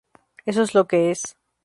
Eso es lo que es.